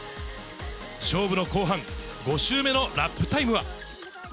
勝負の後半、５周目のラップタイムは。